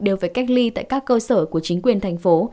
đều phải cách ly tại các cơ sở của chính quyền thành phố